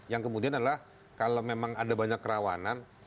yang kemudian adalah kalau memang ada banyak kerawanan